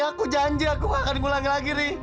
aku janji aku gak akan ngulangi lagi ri